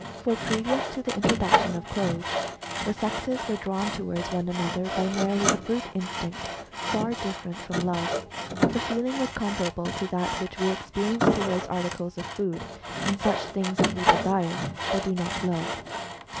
For previous to the introduction of clothes, the sexes were drawn towards one another by merely a brute instinct, far dif ferent from love. The feeling was comparable to that which we experience towards articles of food and such things, that we desire, but do not love.